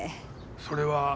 それは？